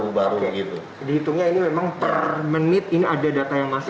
dihitungnya ini memang per menit ini ada data yang masih